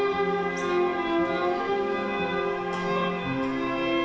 setelah itu tolong biarkan aku pergi dari tempat ini